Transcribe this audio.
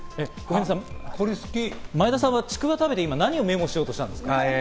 前田さんは、ちくわを食べて何をメモしようとしたんですか？